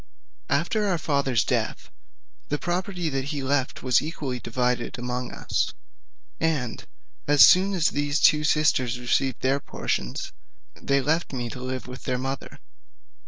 After our father's death, the property that he left was equally divided among us, and as soon as these two sisters received their portions, they left me to live with their mother.